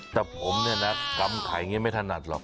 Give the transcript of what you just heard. แต่ผมเนี่ยนะกำไขอย่างนี้ไม่ถนัดหรอก